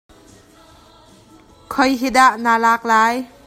Khoi hi dah na lak lai?